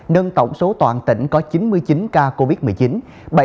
nâng tổng số toàn tỉnh có chín mươi chín ca covid một mươi chín